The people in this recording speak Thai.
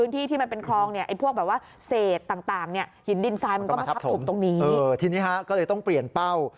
ทีนี้ฮะก็เลยต้องเปลี่ยนเป้า